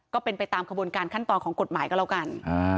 ก็เป็นไปตามขบวนการขั้นตอนของกฎหมายก็แล้วกัน